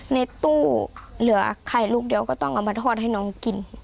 ในตู้เหลือไข่ลูกเดียวก็ต้องเอามาทอดให้น้องกิน